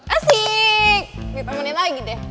asik ditemenin lagi deh